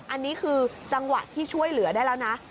อันนี้คือจังหวะที่ช่วยเหลือได้แล้วนะ